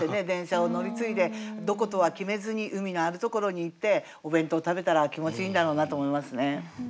電車を乗り継いでどことは決めずに海のあるところに行ってお弁当食べたら気持ちいいんだろうなと思いますね。